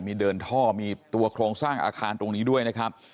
มีเดินท่อมีตัวโครงสร้างอาคารตรงนี้ด้วยนะครับ